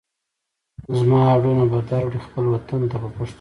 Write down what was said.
زما هډونه به در وړئ خپل وطن ته په پښتو ژبه.